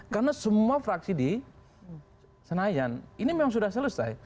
karena semua fraksi di senayan ini memang sudah selesai